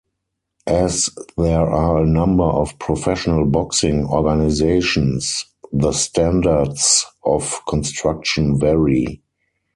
As there are a number of professional boxing organizations, the standards of construction vary.